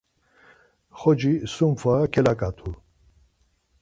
Xoci, sum fara kelaǩatu.